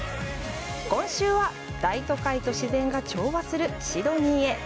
今週は、大都会と自然が調和するシドニーへ。